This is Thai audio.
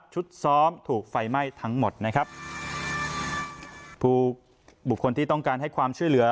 ชุดซ้อมถูกไฟไหม้ทั้งหมดนะครับผู้บุคคลที่ต้องการให้ความช่วยเหลือ